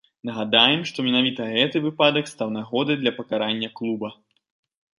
Нагадаем, што менавіта гэты выпадак стаў нагодай для пакарання клуба.